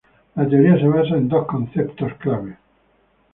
La teoría se basa en dos conceptos clave.